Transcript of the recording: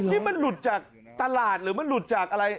นี่มันหลุดจากตลาดหรือมันหลุดจากอะไร